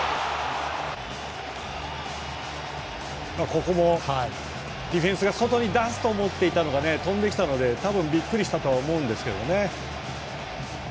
ここもディフェンスが外に出すと思っていたのが飛んできたので多分びっくりしたとは思うんですが。